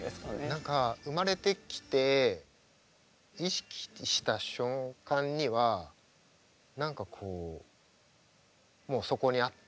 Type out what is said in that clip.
何か生まれてきて意識した瞬間には何かこうもうそこにあって。